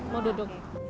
mau duduk ya